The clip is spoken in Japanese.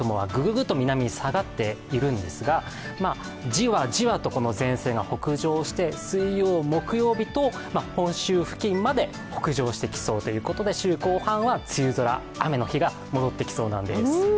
グっと南に下がっているんですが、ジワジワとこの前線が北上して水曜、木曜日と本州付近まで北上してきそうということで週後半は梅雨空、雨の日が戻ってきそうなんです。